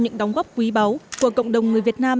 những đóng góp quý báu của cộng đồng người việt nam